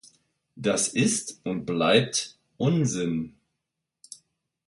Das ist und bleibt Unsinn.